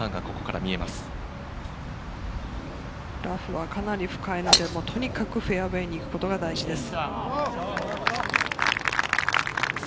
池越え、そして左にはラフがかなり深い、とにかくフェアウエーに行くことが大事です。